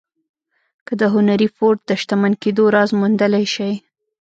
که د هنري فورډ د شتمن کېدو راز موندلای شئ.